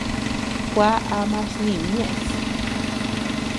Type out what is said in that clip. Kuá ama snï ñeʼes.